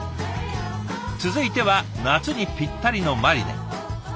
続いては夏にぴったりのマリネ。